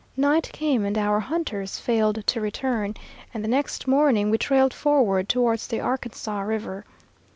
Night came and our hunters failed to return, and the next morning we trailed forward towards the Arkansas River.